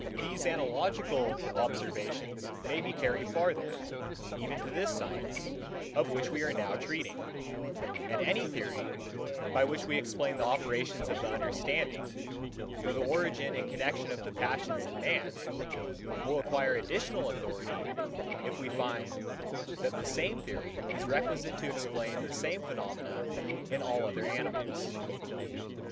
These analogical observations may be carried farther, even to this science, of which we are now treating; and any theory, by which we explain the operations of the understanding, or the origin and connexion of the passions in man, will acquire additional authority, if we find, that the same theory is requisite to explain the same phenomena in all other animals.